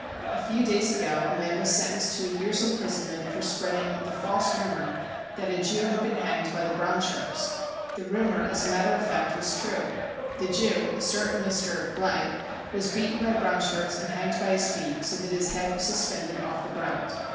A few days ago a man was sentenced to a year's imprisonment for spreading the ' false rumour 9 that a Jew had been hanged by Brown Shirts — the 5 rumour, 5 as a matter of fact, was true : the Jew, a certain Mr. , was beaten by Brown Shirts and hanged by Ms feet, so that his head was suspended off the ground.